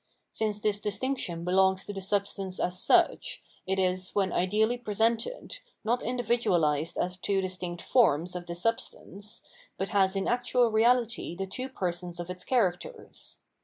Since this distinction belongs to the substance as such, it is, when ideally presented, not individuahsed as two distinct forms [of the substance], but has in actual reality the two persons of its characters.